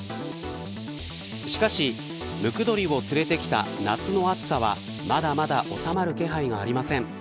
しかし、ムクドリを連れてきた夏の暑さは、まだまだ収まる気配はありません。